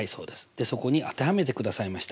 でそこに当てはめてくださいました。